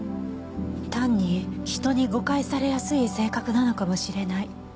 単に人に誤解されやすい性格なのかもしれない。